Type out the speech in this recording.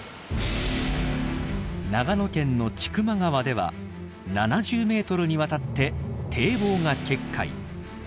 長野県の千曲川では７０メートルにわたって堤防が決壊